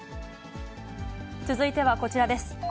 続いてはこちらです。